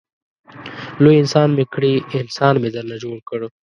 لوی انسان مې کړې انسان مې درنه جوړ کړ.